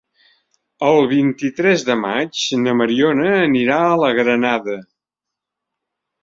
El vint-i-tres de maig na Mariona anirà a la Granada.